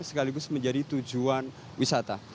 sekaligus menjadi tujuan wisata